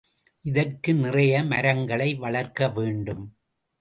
இதற்கு நிறைய மரங்களை வளர்க்க வேண்டும்.